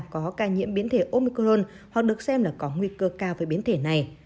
có ca nhiễm biến thể omicron hoặc được xem là có nguy cơ cao với biến thể này